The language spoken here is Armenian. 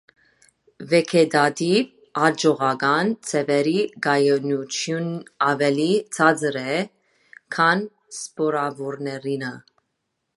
Վեգետատիվ (աճողական) ձևերի կայունությունն ավելի ցածր է, քան սպորավորներինը։